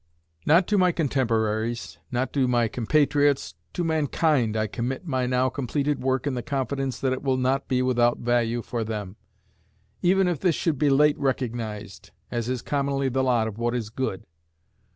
Not to my contemporaries, not to my compatriots—to mankind I commit my now completed work in the confidence that it will not be without value for them, even if this should be late recognised, as is commonly the lot of what is good.